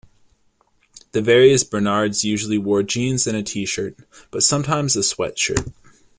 The various Bernards usually wore jeans and a T-shirt, but sometimes a sweatshirt.